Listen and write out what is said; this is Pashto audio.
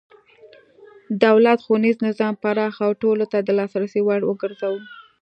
دولت ښوونیز نظام پراخ او ټولو ته د لاسرسي وړ وګرځاوه.